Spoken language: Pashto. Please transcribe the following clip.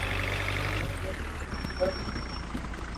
تر ورته شرایطو لاندې یې د نورو لپاره خوښ کړه.